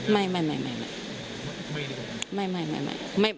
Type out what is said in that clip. ถ้าเขามาขอสิกรรมนี้ไม่